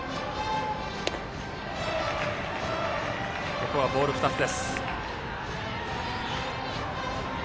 ここはボール２つ。